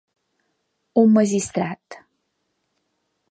Un magistrat